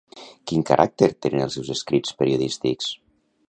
Quin caràcter tenen els seus escrits periodístics?